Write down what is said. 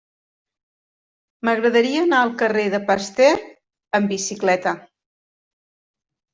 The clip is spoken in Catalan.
M'agradaria anar al carrer de Pasteur amb bicicleta.